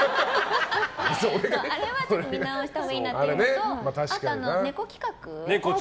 あれは、見直したほうがいいなっていうのとあと、ネコ企画。